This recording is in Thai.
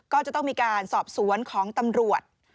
ก็จะต้องมีการสอบสวนของตำรวจ